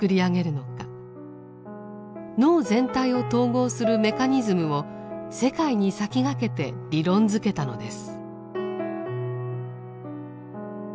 脳全体を統合するメカニズムを世界に先駆けて理論づけたのです。